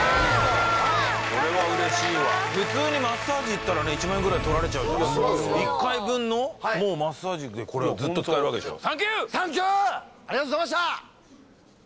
これは嬉しいわ普通にマッサージ行ったら１万円ぐらい取られちゃう１回分のマッサージでこれがずっと使えるわけでしょ